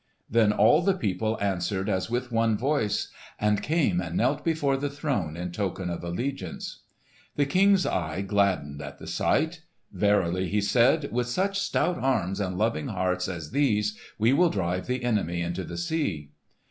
Then all the people answered as with one voice, and came and knelt before the throne in token of allegiance. The King's eye gladdened at the sight. "Verily," he said, "with such stout arms and loving hearts as these, we will drive the enemy into the sea!"